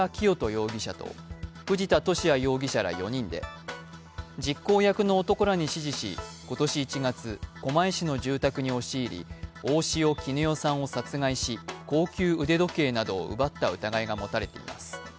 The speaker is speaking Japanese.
容疑者と藤田聖也容疑者ら４人で実行役の男らに指示し今年１月、狛江市の住宅に押し入り大塩衣与さんを殺害し、高級腕時計などを奪った疑いが持たれています